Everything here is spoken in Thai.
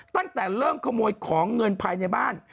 ตั้งแต่เริ่มขโมยของเงินภายในบ้าน